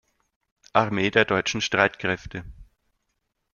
Armee der deutschen Streitkräfte.